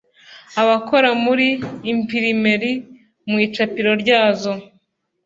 abakora muri imprimerie mu icapiro ryazo